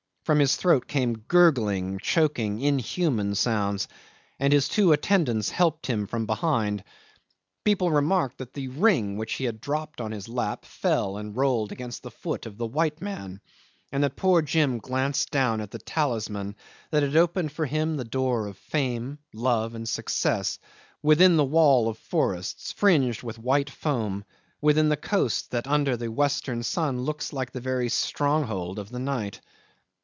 From his throat came gurgling, choking, inhuman sounds, and his two attendants helped him from behind. People remarked that the ring which he had dropped on his lap fell and rolled against the foot of the white man, and that poor Jim glanced down at the talisman that had opened for him the door of fame, love, and success within the wall of forests fringed with white foam, within the coast that under the western sun looks like the very stronghold of the night.